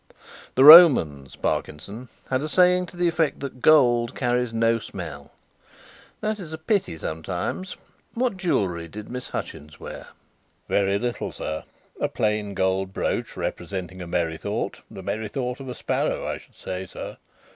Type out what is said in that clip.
"The Romans, Parkinson, had a saying to the effect that gold carries no smell. That is a pity sometimes. What jewellery did Miss Hutchins wear?" "Very little, sir. A plain gold brooch representing a merry thought the merry thought of a sparrow, I should say, sir.